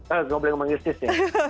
eh saya boleh memanggil sis ya